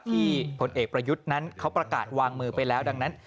ผลเอกประยุทธ์นั้นเขาประกาศวางมือไปแล้วดังนั้น